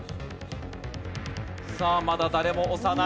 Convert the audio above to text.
さあまだ誰も押さない。